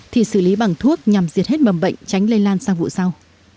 thì xử lý bằng thuốc nhằm diệt hết mầm bệnh tránh lây lan sang vụ sau